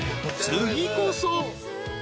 ［次こそ］